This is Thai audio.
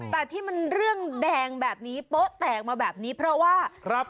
แต่ที่มันเรื่องแดงแบบนี้โป๊ะแตกมาแบบนี้เพราะว่าครับ